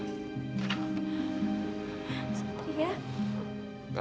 dan aku mau kamu sama raka jadian